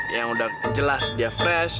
yang udah jelas dia fresh